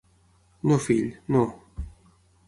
No, fill, no.